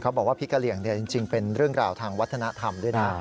บอกว่าพริกกะเหลี่ยงจริงเป็นเรื่องราวทางวัฒนธรรมด้วยนะ